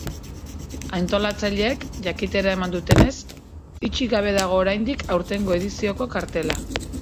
Antolatzaileek jakitera eman dutenez, itxi gabe dago oraindik aurtengo edizioko kartela.